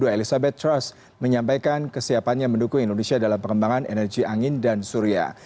elizabeth trust menyampaikan kesiapannya mendukung indonesia dalam pengembangan energi angin dan suria